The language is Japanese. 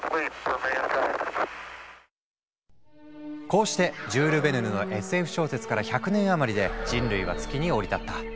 こうしてジュール・ヴェルヌのＳＦ小説から１００年余りで人類は月に降り立った。